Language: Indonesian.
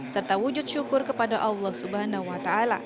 serta wujud syukur kepada allah swt